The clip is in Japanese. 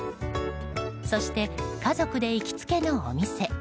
そして、家族で行きつけのお店。